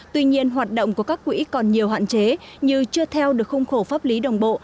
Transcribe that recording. tuy nhiên hoạt động của các quỹ còn nhiều hạn chế như chưa theo được khung khổ pháp lý đồng bộ